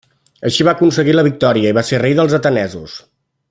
Així va aconseguir la victòria i va ser rei dels atenesos.